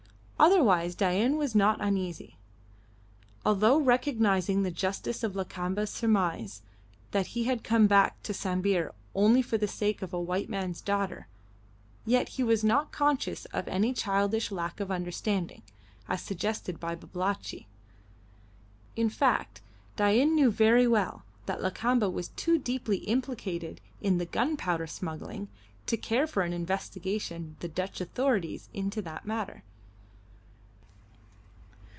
Otherwise Dain was not uneasy. Although recognising the justice of Lakamba's surmise that he had come back to Sambir only for the sake of the white man's daughter, yet he was not conscious of any childish lack of understanding, as suggested by Babalatchi. In fact, Dain knew very well that Lakamba was too deeply implicated in the gunpowder smuggling to care for an investigation the Dutch authorities into that matter.